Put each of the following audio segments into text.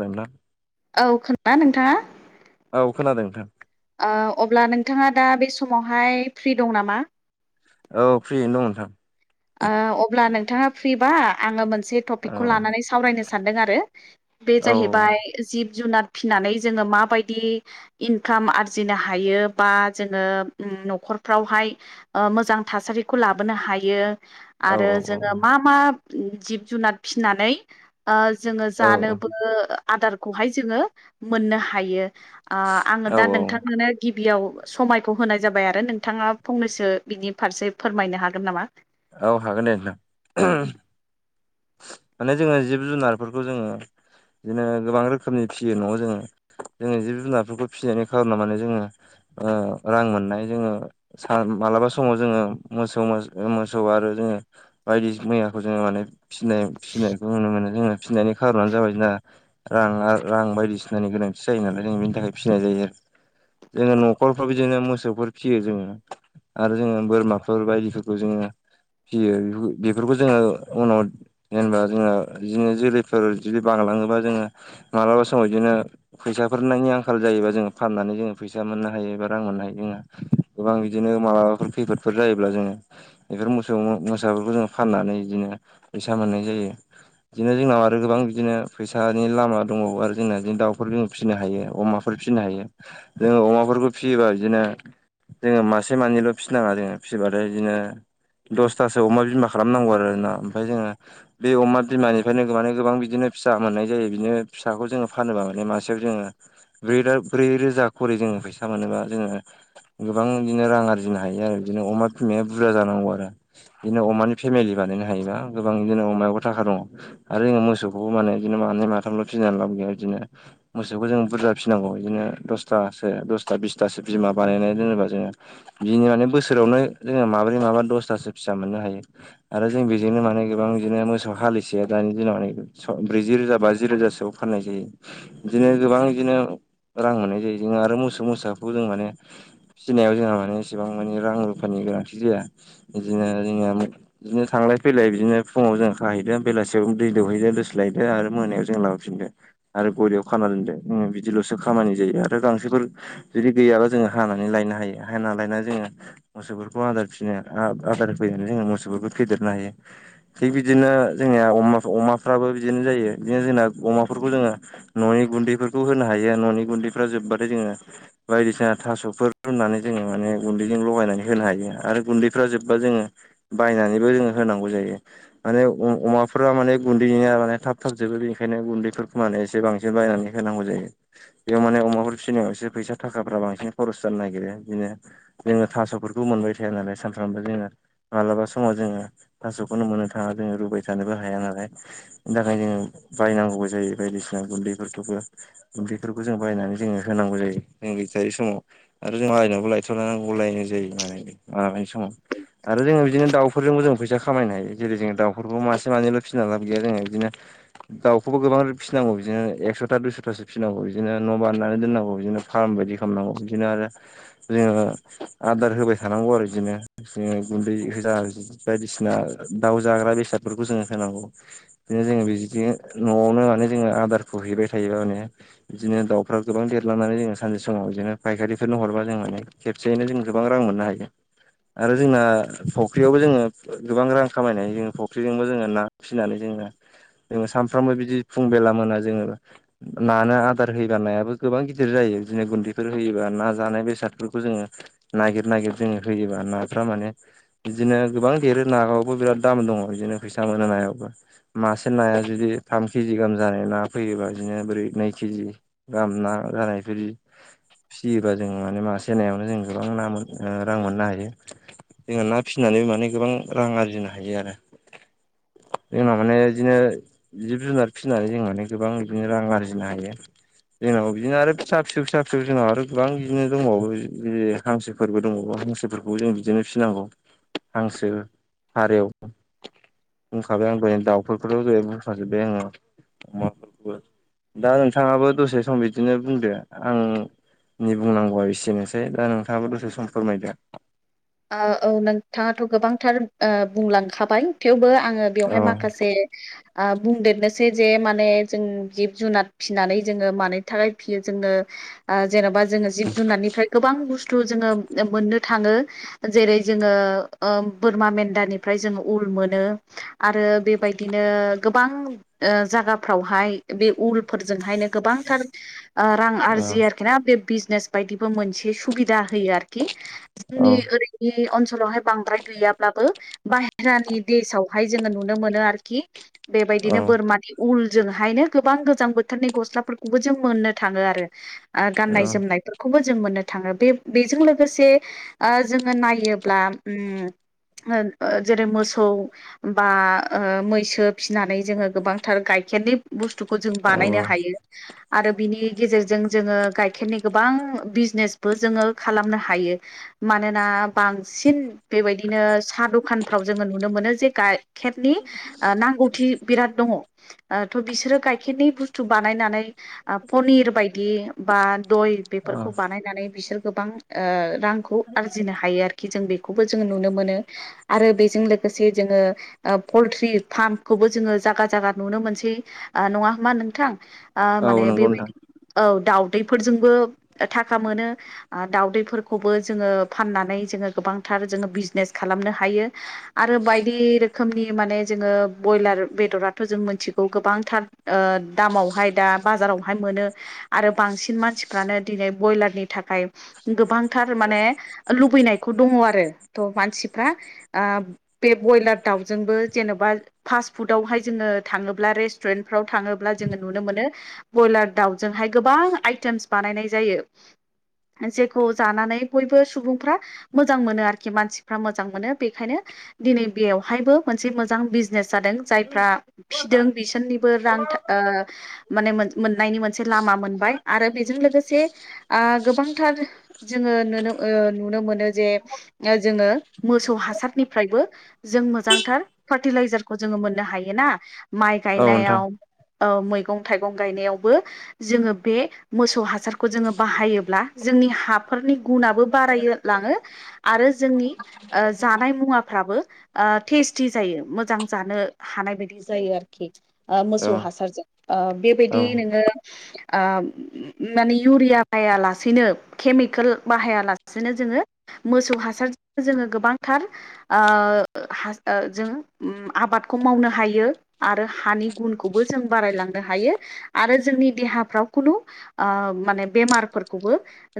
जोंना [unintelligible] औ खोनादों ना नोंथाङा? औ खोनादों नोंथां। अब्ला नोंथाङा दा बे समावहाय फ्रि दं नामा? औ फ्रियैनो दं नोंथां। अब्ला नोंथाङा फ्रिबा आङो मोनसे औ टपिकखौ लानानै सावरायनो सानदों आरो। बे औ जाहैबाय जिब जुनाद फिसिनानै जोङो माबायदि इनकाम आरजिनो हायो बा जोङो न'खरफ्रावहाय मोजां थासारिखौ लाबोनो हायो औ आरो औ जोङो मा मा जिब जुनार फिनानै जोङो औ जानोबो आदारखौहाय जोङो मोननो हायो। आङो औ दा नोंथांमोननो गिबि बियाव समायखौ होनाय जाबाय आरो नोंथाङा फंनैसो बिनि फारसे फोरमायनो हागोन नामा? औ हागोन दे नोंथां। माने जोङो जिब जुनारफोरखौ जोङो बिदिनो गोबां रोखोमनि फिसियो न'आव जोङो जोङो जिब जुनारफोरखौ फिसिनायनि खारनाव माने जोङो रां मोननाय जोङो मालाबा समाव जोङो मोसौ मोसा मोसौ आरो जोङो बायदि मैयाखौ जोङो माने फिनाय फिसिनायखौ नुनो मोनो जोङो। फिसिनायनि खारनानो जाबाय जोंना रां रां बायदिसिनानि गोनांथि जायो नालाय जों बिनि थाखाय फिसिनाय जायो आरो। जोङो न'खरफ्राव बिदिनो मोसौफोर फियो जोङो आरो जोङो बोरमाफोर बायदिफोरखौ जोङो फियो बेफोरखौ जोङो उनाव जेनेबा जोङो बिदिनो जोलैफोर इदिनो बांलाङोबा जोङो मालाबा समाव बिदिनो फैसाफोरनायनि आंखाल जायोबा जोङो फाननानै जोङो फैसा मोननो हायो एबा रां मोननो हायो जोंहा गोबां बिदिनो माबाफोर खैफोदफोर जायोब्ला जोङो बेफोर मोसौ मोसाफोरखौ जोङ फाननानै बिदिनो फैसा मोननाय जायो। बिदिनो जोंनाव आरो गोबां बिदिनो फैसानि लामा दंबो आरो जोंना बिदिनो दाउफोर ज फिनो हायो अमाफोर फिसिनो हायो जोङो अमाफोरखौ फिसियोबा बिदिनो जोङो मासे मानैल फिसिनाङा जोङो फिसिबाथाय इदिनो दसथासो अमा बिमा खालामनांगौ आरो ना ओमफ्राय जोङो बे अमा बिमानिफ्रायनो माने गोबां बिदिनो बिदिनो फिसा मोननाय जायो बिनो फिसाखौ जोङो फानोबा माने मासेयाव जोङो ब्रै ब्रै रोजा खरि जोङो फैसा मोनोबा जोङो गोबां बिदिनो रां आरजिनो हायो आरो बिदिनो अमा फिमाया बुरजा जानांगौ बिदिनो अमानि फेमेलि बानायनो हायोबा गोबां बिदिनो अमाबो थाखा दङ आरो जो मोसौखौ माने बिदिनो मानै माथामल फिसिनानै लाब गैया बिदिनो मोसौखौ जों बुरजा फिसिनांगौ बिदिनो दसथासो दसथा बिसथासो बिमा बानायनानै दोनोबा जोङो बिनि माने बोसोरावनो जोङो माबोरै माबा दस फिसा मोननो हायो आरो जों बेजोंनो माने गोबां बिदिनो मोसौ हालिसेयो दानि दिनाव माने ब्रैजि रोजा बाजि रोजासोआव फाननाय जायो बिदिनो गोबां बिदिनो रां मोननाय जायो जोङो आरो मोसौ मोसाखौ जों माने फिसिनायाव जोंहा माने एसेबां माने रां रुफानि गोनांथि जाया। बिदिनो जोंया बिदिनो थांलाय फैलाय इदिनो फुङाव जों खाहैगोन बेलासेयावजों दै दौहैदो दोस्लाय आरो मोनायाव जों लाबोफिनदो आरो गरयाव खाना दोनद बिदिल'सो खामानि जायो आरो गांसो जुदि गैयाब्ला जोङो हानानै लायनो हायो हा लायनानै जोङो मोसौफोरखौ आदार फिनो आदार होफैनानै जोङो मोसौबो फेदेरनो हायो थिग बिदिनो जोंनिया अमाफ्राबो बिदिनो जायो बिदिनो जोंना अमाफोरखौ जोङो न'नि गुन्दैफोरखौ होनो हायो न'नि गुन्दैफ्रा जोब्बाथाय बायदिसिना थासफोर रूनानै जोङो माने गुनदैजों लगाया होनो हायो आरो गुनदैफोर जोब्बा जोङो बायनानैबो जोङो होनांगौ जायो माने अमाफोरा माने गुन्दै थाब थाब जोबो बेनिखायनो गुनदै फोरखौ माने फैसा थाखाफ्रा बांसिन खरस जानो नागिरो बिदिनो जोङो थासफोरखौ मोनबाय थाया नालाय सान खालामबो जोङो मालाबा समाव जोङो थासखौनो मोननो थाङा जोङो रुबाय थानोबो हाया नालाय बेनि थाखाय जोङो बायनांगौबो जायो बायदिसिना गुन्दैफोरखौबो गुन्दैफोरखौ जों बायनानै जोङो होन नांगौ जायो जों गैयै समाव आरो जों मालायनावबो लायथ'नांगौ लायनाय जायो माबानाय समाव आरो जोङो बिदिनो दाउफोरजोंबो जों फैसा खामायनो हायो जेरै जोङो दाउफोरखौ मासे मानैल' फिसि लाबो गैया जोङो बिदिनो दाउखौबो गोबां फिसिनांगौ बिदिनो एकसथा दुइस'थासो फिसिनांगौ बिदिनो न' बान्नानै दोननांगौ बिदिनो फार्म बायदि खालामनांगौ बिदिनो आरो जोङो आदार होबाय थानांगौ आरो बिदिनो जङो गुन्दै होजा बायदिसिना दाउ जाग्रा बेसादफोरखौ जोङो होनांगौ बिदिनो जोङो बिदिनो न'आवनो माने जोङो आदारखौ हैबाय थायोबा माने बिदिनो दाउफ्रा गोबां देर ह मनानै जोङो सानसे समाव बिदिनो फायखारिफोरनो हरबा जों माने खेबसेयैनो जों गोबां रां मोननो हायो [inaudible] आरो जोंना फुख्रियावबो जोङो गोबां रां खामायनाय ह जोङो फुख्रिजोंबो जोङो ना फिसिनानै जोंना जोङो सानफ्रामबो बिदि फुं बेला मोना जोङो नानो आदार होयोबा नायाबो गोबां गिदिर जायो नो गुनदैफोर होयोबा ना जानाय बेसादफोरखौ जों निर जो होबा न माने बिदिनो गोबां देरो ननायायावबो बिराद दाम दङ बिदिनो फैसा मोना नायायावबो मासे नाया जुदि थाम केजि गाहाम जानाय ना फैयोबा बिदिनो बोरै नै केजि गाहाम ना ज नायफोर फिसियोबा जों माने मा सनायावनो जों गोबां ना मोन रां मोननो हायो जोंहा ना फिसिनानैबो माने गोबां रां आरजिनो हायो आरो [inaudible] जोंना माने बिदिनो जिब जुनार फिसिनानै जों माने गोबां बिदिनो रां आरजिनो हायो जोंनाव बिदिनो आरो फिसा फिसौ फिसा फिसौ जोंनाव आरो गोबां बिदिनो दंबावो हांसोफोरबो दंबावो हांसो बेखौ जों बिदिनो फिनांगौ हांसो हारि बुंखाबाय आं दनो दाउफोरखौथ' जाय बुंखाजोबबाय आङो अमाफोरखौबो दा नोंथाङाबो दसे सम बिदिनो बुंदो आं नि बुंनांगौआ एसेनोसै दा नोंथाङाबो दसे सम फोरमायदो औ नोंथाङाथ' गोबांथार बुंलांखाबाय थेवबो आङो बेवहाय औ माखासे बुंदेरनोसै जे माने जों जिब जुनार फिसिनानै जोङो मानि थाखाय फियो जोङो जेन'बा जोङो जिब जुनारनिफ्राय गोबां बुस्थु जोङो मोननो थाङो जेरै जोङो बोरमा मेन्दानिफ्राय जोंङो उल मोनो आरो बेबायदिनो गोबां जायगाफ्रावहाय बे उलफोरजोंहायनो गोबांथार रां औ आरजियो आरोखि ना बे बिजनेस बायदि मोनसे सुबिदा होयो आरोखि औ जोंनि ओै ओनसोलावहाय बांद्राय गैयाब्लाबो बाहहेरानि देशावहाय जोङो नुनो मोनो आरोखि औ बेबायदिनो बोरमानि उल जोंहायनो गोबां गोजां बोथोरनि गस्लाफोरखौबो जों मोननो थाङो आरो गाननाय जोमनायफोरखौबो जों मोननो थाङो बे बेजों लोगोसे जोङो नायोब्ला जेरै मोसौ बा मैसो फिसिनानै जोङो गोबांथार गाय [unintelligible] बुस्थु खौ जों बानायनो औ हायो आरो बिनि गेजेरजों जोङो गाइखेरनि गोबां बिजनेस बो जोङो खालामनो हायो ना बांसिन बेबायदिनो साहा दखानफ्राव जोङो नुनो मोनो जे गाय खेरनि नांगौथि बिराद दङ थ' बिसोरो गाइखेरनि बुस्थु बानायनानै पनिर बायदि बा दय औ बेफोरखौ बानायनानै बिसोर गोबां रां आरजिनो हायो आरोखि जों बेखौबो जों नुनो मोनो आरो बे जों लोगोसे जोङो परथ्रि पारमखौबो जोङो जायगा जायगा नुनो मोनसै ओ नङा होम मा नोंथां औ माने नंगौ नोंथां बेबायदि औ दाउ दैफोरजोंबो थाखा मोनो दाउदैफोरखौबो जोङो फाननानै जोङो गोबांथार जोङो बिजनेस खालामनो हायो आरो बायदि रोखोम रोखोमनि माने जोङो ब्रयलार बेदराथ' जों मिथिगौ गोबांथार दामावहाय दा बाराव मोन आरो बांसिन मानसिफ्रानो दिनै बयलारनि थाखाय गोबां थार माने लुबैनायखौ दङ आरो। मानसिफ्रा बे ब्रयलार दाउजोंबो जेन'बा फास्ट फुदावहाय जेन थाङोब्ला रेष्टुरेनफोराव थाङोब्ला जोङो नुनो मोनो बयलार दावजोंहाय गोबां आइथेम बानायनाय जायो जेखौ जानानै बयबो सुबुं फोरा मोजां मोनो आरोखि मानसिफोरा मोजां मोनो बेखायनो दिनै बेयावहायबो मोनसे मोजां बिजनेस जादों जायफ्रा फिदों बिसोरनिबो रां माने मोननायनि मोनसे लामा मोनबाय आरो बेजों लोगोसे गोबांथार जोङो ओ नुनो मोनो जे जोङो मोसौ हासारनिफ्रायबो जों मोजांथार फार्टिलाइजारखौ जोङो मोन मोननो हायोना माइ औ नोंथां गायनायाव मैगं थाइगं गायनायावबो जोङो बे मोसौ हासारखौ जोङो बाहायोब्ला जोंनि हाफोरनि गुनाबो बाराय लाङो आरो जोंनि जानाय मुवाफ्राबो टेस्टि जायो मोजां जानो हानाय बायदि जायो आरोखि मोसौ औ हासारजों बेबायदि औ नोङो माने इउरिया बाया लासेनो केमिकेल बाहाया लासे नो जोङो मोसौ हासारजों जोङो गोबांथार जों ओ ओ आबादखौ मावनो हायो आरो हानि गुनखौबो जों बारायलांनो हायो आरो जों जोंनि देहाफ्राव खुनु माने बेमारफोरखौबो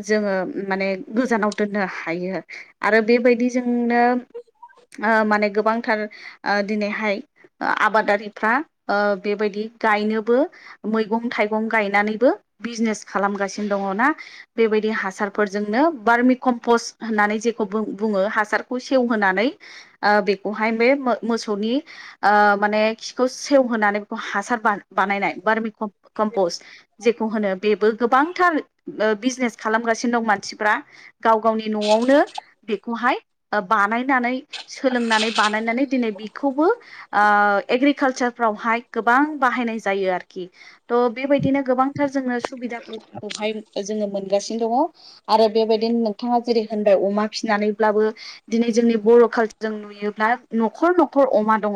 जोङो माने गोजानाव दोननो हायो आरो बेबायदि जोंनो माने गोबांथार दिनैहाय आबादारिफ्रा बेबायदि गायनोबो मैगं थाइगं गायनानैबो बिजनेस खालामगासिनो दङ ना बायदि हासारफोरजोंनो बारमि कमपसहोननानै जेखौ बुङो हासारखौ सेवहोनानै बेखौहाय बे मोसौनि खिखौ सेवहानै बेखौ हासार बानायनाय बारमि कमपस्ट जेखौ होनो बेबो गोबांथार बिजनेस खालामगासिनो दं मानसिफ्रा गाव गावनि न'आवनो बेखौहाय बानायनानै सोलोंनानै बानायनानै दिनै बे एग्लिखालसारफ्रावहाय गोबां बाहायनाय जायो आरोखि बेबायदिनो गोबांथार जोङो सुबिदाफोरखौहाय जोङो मोनगासिनो दङ आरो बेबायदिनो बिथाङा जेरै होनबाय अमा फिसिनानैब्लाबो दिनै जोंनि बर' कालसार ज नुयोब्ला न'खर न'खर अमा दङ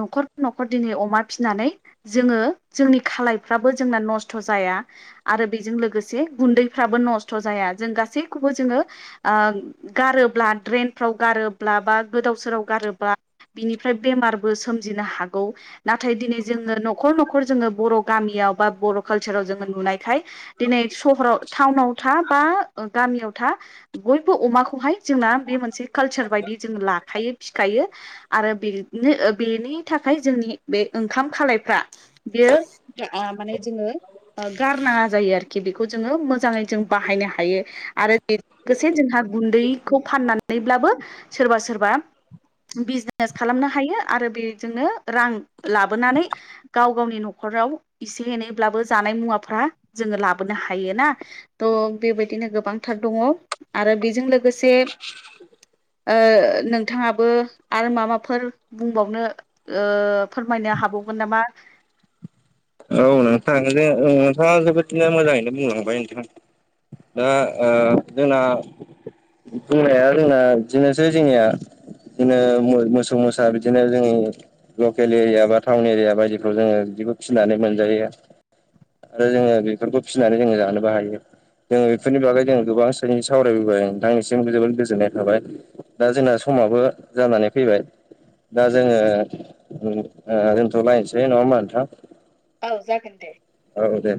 नखर नखर अमा फिनानै जोंङो जोंनि खालाय फ्राबो जोंना नस्थ' जाया आरो बेजों लोगोसे गुन्दैफ्राबो नस्थ' जाया जों गासै खौबो जोङो गारोब्ला ड्रेनफ्राव गारोब्ला बा गोदाव सोराव गारोबा बिनिफ्राय बेमारबो सोमजिनो हागौ। नाथाय दिनै जोङो न'खर न'खर जोङो बर' गामियाव बा बर' कालसाराव जोङो नुनायखाय दिनै सहराव टाउनाव था बा गामियाव था बयबो अमाखौहाय जोंना बे मोनसे कालसार बायदि जों लाखायो फिखायो आरो बेनो बेनि थाखाय जोंनि बे ओंखाम खालायफ्रा बेयो माने जोङो गारनाङा जायो आरोखि बेखौ जोङो मोजाङै जों बाहायनो हायो। आरो बेजों लोगोसे जोंहा गुन्दैखौ फाननानैब्लाबो सोरबा सोरबा बिजनेस खालामनो हायो आरो बेजोंनो रां लाबोनानै गाव गावनि न'खर राव एसे एनैब्लाबो जानाय मुवाफ्रा जोङो लाबोनो हायो ना थ- बेबायदिनो थार दङ आरो बेजों लोगोसे नोंथाङाबो आरो मा माबाफोर बुंबावनो फोरमायनो हाबावगोन गोन नामा औ नोंथां नोंथाङा जोबोदनो मोजाङैनो बुंलांबाय नोंथां दा जोंना बुंनाया जोंना बिदिनोसै जोंनिया बिदिनो मोसौ मोसा बिदिनो जोंनि लकेल एरिया बा टाउन एरिया बायदिफ्राव जोङो बिबो फिनानै मोनजायो आरो जोङो बेफोरखौ फिसिनानै जोङो जानोबो हायो जोङो बेफोरनि बागै जो गोबां सावरायबोबाय नोंथांनिसिम जोबोद गोजोननाय थाबाय दा जोंना समा समाबो जानानै फैबाय दा जोङो दोनथ'लायनोसै नङा होमबा नोंथां औ जागोन दे। औ दे